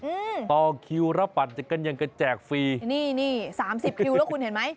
อืมต่อคิวรับบัตรกันอย่างกระแจกฟรีนี่นี่สามสิบคิวแล้วคุณเห็นไหม